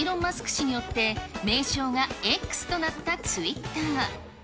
氏によって、名称がＸとなったツイッター。